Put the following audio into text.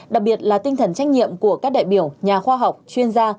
đặc biệt là tinh thần trách nhiệm của các đại biểu nhà khoa học chuyên gia